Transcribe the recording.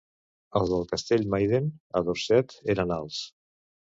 Els del castell Maiden, a Dorset, eren alts.